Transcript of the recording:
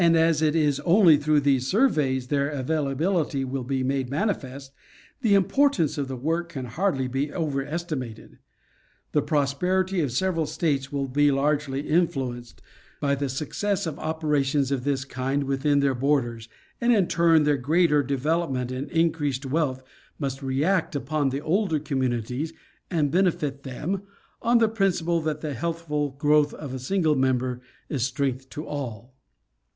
as it is only through these surveys their availability will be made manifest, the importance of the work can hardly be overestimated. The prosperity of several states will be largely influenced by the success of operations of this kind within their borders, and in turn their greater development and increased wealth, must react upon the older communities and benefit them, on the principle that the healthful growth of a single member is strength to all.